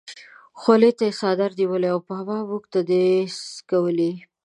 خولې ته یې څادر ونیو: بابا مونږ نه دي څکولي!